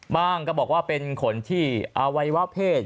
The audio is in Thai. ก็บอกว่าเป็นขนที่อวัยวะเพศ